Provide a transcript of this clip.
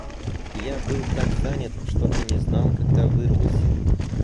Я был так занят, что и не знал, когда вырвусь.